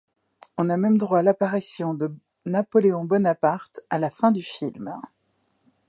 On a même droit à l'apparition de Napoléon Bonaparte à la fin du film.